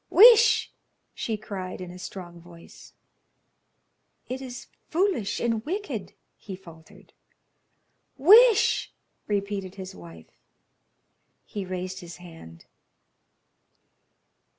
"Wish!" she cried, in a strong voice. "It is foolish and wicked," he faltered. "Wish!" repeated his wife. He raised his hand.